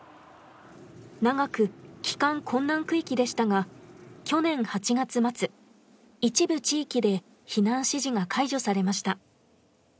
長く帰還困難区域でしたが去年８月末一部地域で避難指示が解除されました。